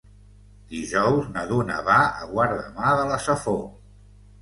Dijous na Duna va a Guardamar de la Safor.